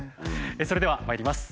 それではまいります。